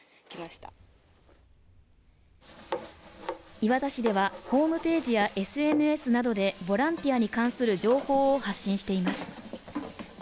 磐田市ではホームページやＳＮＳなどでボランティアに関する情報を発信しています。